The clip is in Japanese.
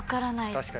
確かに。